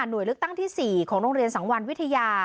โดยเลือกตั้งที่๔ของโรงเรียนสังวรรณวิทยา